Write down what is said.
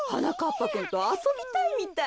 ぱくんとあそびたいみたい。